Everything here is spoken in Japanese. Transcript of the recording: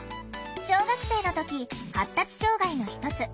小学生の時発達障害の一つ